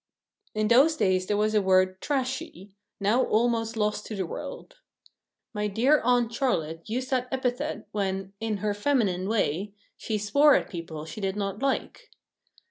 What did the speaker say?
In those days there was a word "trashy," now almost lost to the world. My dear Aunt Charlotte used that epithet when, in her feminine way, she swore at people she did not like.